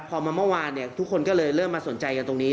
พอมาเมื่อวานเนี่ยทุกคนก็เลยเริ่มมาสนใจกันตรงนี้